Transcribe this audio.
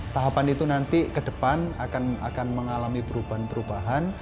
tahapan itu nanti ke depan akan mengalami perubahan perubahan